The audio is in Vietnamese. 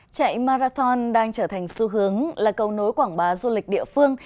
chạy marathon đang trở thành xu hướng là cầu nối quảng bá du lịch địa phương